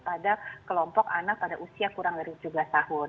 pada kelompok anak pada usia kurang dari tujuh belas tahun